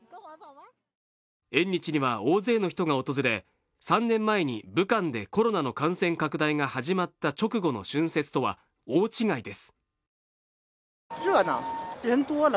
縁日には大勢の人が訪れ、３年前に武漢でコロナの感染拡大が始まった直後の春節とは大違いです。